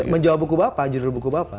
menjawab buku bapak